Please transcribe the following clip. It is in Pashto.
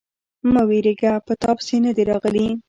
_مه وېرېږه، په تاپسې نه دي راغلی.